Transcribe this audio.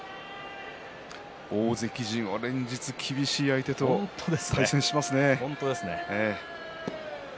大関陣は連日厳しい相手と対戦しますね。